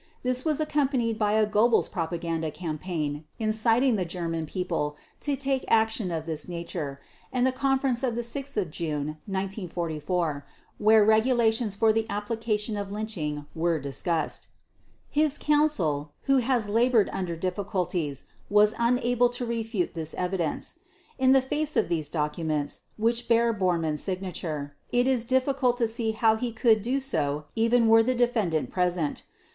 This was accompanied by a Goebbels' propaganda campaign inciting the German people to take action of this nature, and the conference of 6 June 1944, where regulations for the application of lynching were discussed. His Counsel, who has labored under difficulties, was unable to refute this evidence. In the face of these documents, which bear Bormann's signature, it is difficult to see how he could do so even were the defendant present.